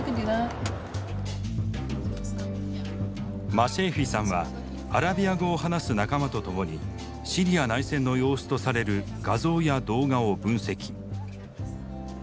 マシェーフィさんはアラビア語を話す仲間と共にシリア内戦の様子とされる画像や動画を分析。